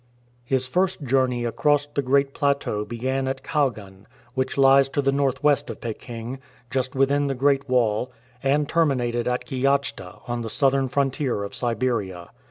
His first journey across the great plateau began at Kal gan, which lies to the north west of Peking, just within the Great Wall, and terminated at Kiachta on the south ern frontier of Siberia.